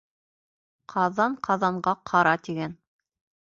Ҡаҙан ҡаҙанға «ҡара» тигән